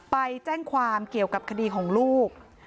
ไปแจ้งความเกี่ยวกับคดีของลูก